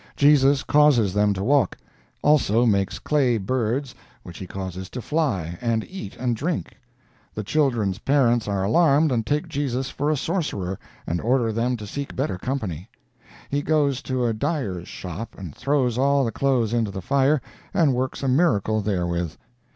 Jesus causes them to walk; also makes clay birds which he causes to fly, and eat and drink. The children's parents are alarmed and take Jesus for a sorcerer, and order them to seek better company. He goes to a dyer's shop and throws all the clothes into the fire and works a miracle there with.